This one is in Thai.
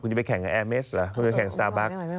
คุณจะไปแข่งกับแอร์เมสเหรอคุณจะแข่งสตาร์บัค